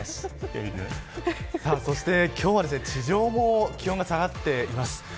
そして今日は地上も気温が下がっています。